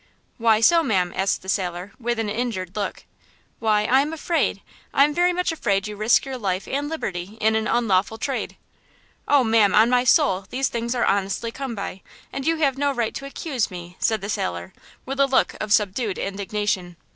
"Why so, ma'am?" asked the sailor, with an injured look. "Why, I am afraid–I am very much afraid you risk your life and liberty in an unlawful trade!" "Oh, ma'am, on my soul, these things are honestly come by, and you have no right to accuse me!" said the sailor, with a look of subdued indignation.